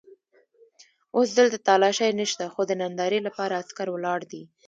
اوس دلته تالاشۍ نشته خو د نندارې لپاره عسکر ولاړ دي.